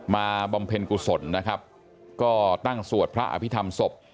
บำเพ็ญกุศลนะครับก็ตั้งสวดพระอภิษฐรรมศพ